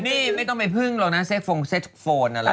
นี่ไม่ต้องไปพึ่งหรอกนะเซ็กโฟนอะไร